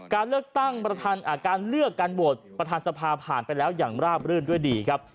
การเลือกการโหวตประธานสภาผ่านไปแล้วอย่างราบรื่นด้วยดีครับ